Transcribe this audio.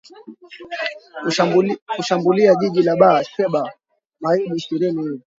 kushambulia jiji la bar sheba maili ishirini hivi